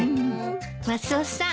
マスオさん